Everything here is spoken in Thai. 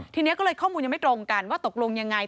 ทีนี้ก็เลยข้อมูลยังไม่ตรงกันว่าตกลงยังไง